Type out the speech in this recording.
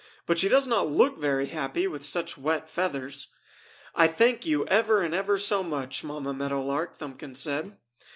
"But she does not look very happy with such wet feathers." "I thank you ever and ever so much, Mamma Meadow Lark!" Thumbkins said.